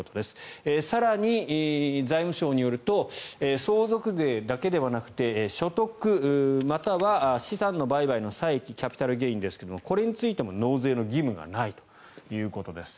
更に、財務省によると相続税だけではなくて所得、または資産の売買の差益キャピタルゲインですがこれについても納税の義務がないということです。